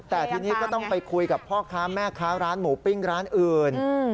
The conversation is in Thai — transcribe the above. แต่ทีนี้ก็ต้องไปคุยกับพ่อค้าแม่ค้าร้านหมูปิ้งร้านอื่น